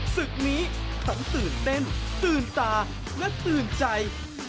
ศึกนี้ทั้งตื่นเต้นตื่นตาและตื่นใจ